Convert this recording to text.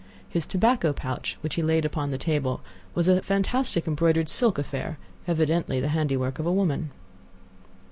His tobacco pouch, which he laid upon the table, was a fantastic embroidered silk affair, evidently the handiwork of a woman.